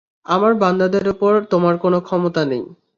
আমার বান্দাদের উপর তোমার কোন ক্ষমতা নেই।